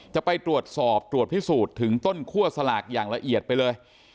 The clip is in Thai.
จะไปตรวจสอบตรวจพิสูจน์ถึงต้นคั่วสลากอย่างละเอียดไปเลย